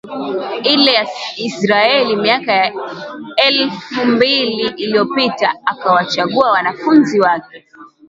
ile ya Israeli miaka ya elgu mbili iliyopita Akawachagua wanafunzi wake